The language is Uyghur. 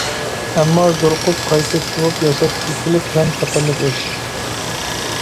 ئەمما، زورۇقۇپ قايتا چۇۋۇپ ياساش-كۈلكىلىك ھەم خەتەرلىك ئىش!